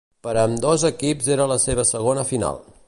Per a ambdós equips era la seva segona final.